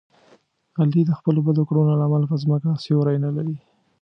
علي د خپلو بدو کړنو له امله په ځمکه سیوری نه لري.